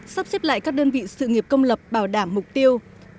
sắp xếp lại các đơn vị sự nghiệp công lập bảo đảm mục tiêu